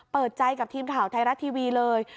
เปิดใจกับทีมข่าวไทยรัฐทีวีเลย